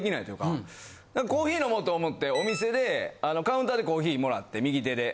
コーヒー飲もうと思ってお店でカウンターでコーヒーもらって右手で。